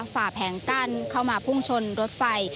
ฝ่าแผงกั้นเข้ามาพุ่งชนรถไฟ